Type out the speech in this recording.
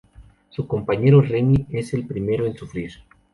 Su compañero, Remi, es el primero en sufrir.